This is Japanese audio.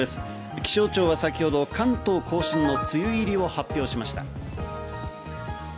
気象庁は先ほど関東甲信の梅雨入りを発表しました。